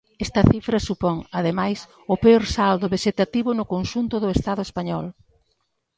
Esta cifra supón, ademais, o peor saldo vexetativo no conxunto do Estado español.